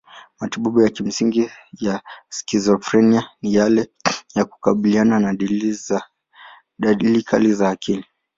Matibabu ya kimsingi ya skizofrenia ni yale ya kukabiliana na dalili kali za kiakili.